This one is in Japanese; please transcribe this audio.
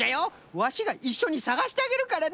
ワシがいっしょにさがしてあげるからの。